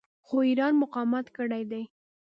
خو ایران مقاومت کړی دی.